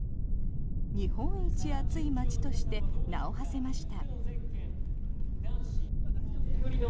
日本一暑い街として名をはせました。